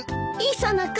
・磯野君！